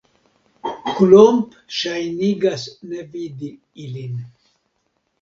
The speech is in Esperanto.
Klomp ŝajnigas ne vidi ilin.